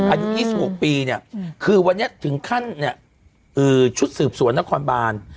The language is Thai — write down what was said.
อายุ๒๖ปีคือวันนี้ถึงขั้้นชุดสืบสวนนักความบาน